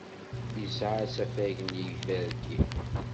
Yesɛa asafag n yiferki.